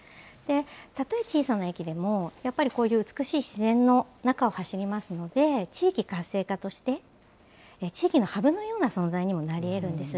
たとえ小さな駅でもやっぱりこういう美しい自然の中を走りますので、地域活性化として、地域のハブのような存在にもなりえるんです。